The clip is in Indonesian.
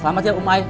selamat ya umai